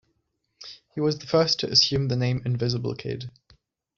He was the first to assume the name Invisible Kid.